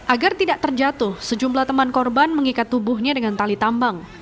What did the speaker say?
agar tidak terjatuh sejumlah teman korban mengikat tubuhnya dengan tali tambang